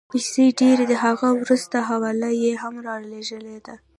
پیسې ډېرې دي، هغه وروستۍ حواله یې هم رالېږلې ده.